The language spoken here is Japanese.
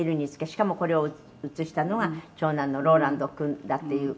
しかもこれを写したのが長男のローランド君だっていう。